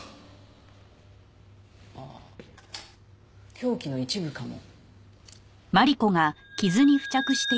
凶器の一部かも。